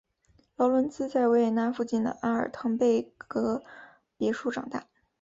劳伦兹在维也纳附近的阿尔滕贝格别墅长大。